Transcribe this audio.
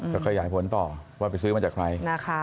จะขยายผลต่อว่าไปซื้อมาจากใคร